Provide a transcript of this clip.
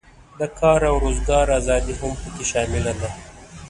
د کار او روزګار آزادي هم پکې شامله ده.